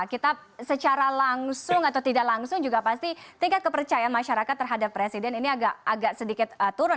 kita secara langsung atau tidak langsung juga pasti tingkat kepercayaan masyarakat terhadap presiden ini agak sedikit turun